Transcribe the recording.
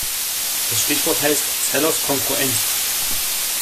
Das Stichwort heißt Zellers Kongruenz.